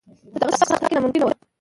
په دغسې سخت حالت کې ناممکنه وه.